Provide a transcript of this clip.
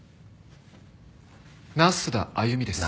那須田歩です。